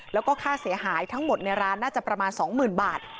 แล้วก็ค่าเสียหายทั้งหมดในร้านน่าจะประมาณ๒๐๐๐บาท